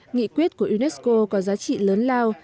nghị quyết của unesco có giá trị lớn lao